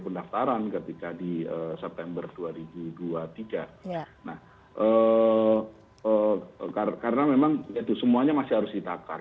pendaftaran ketika di september dua ribu dua puluh tiga nah karena memang itu semuanya masih harus ditakar